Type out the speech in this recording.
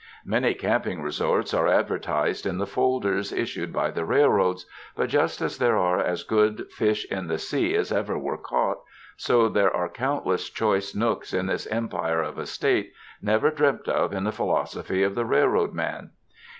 Many camping resorts are advertised in the folders issued by the railroads, but just as there are as good fish in the sea as ever were caught, so there are countless choice nooks in this empire of a State, never dreamt of in the philosophy of the railroad man.